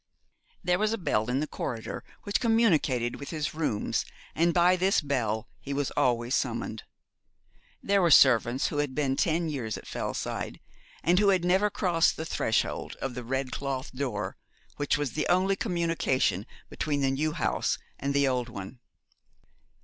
There was a bell in the corridor which communicated with his rooms, and by this bell he was always summoned. There were servants who had been ten years at Fellside, and who had never crossed the threshold of the red cloth door which was the only communication between the new house and the old one.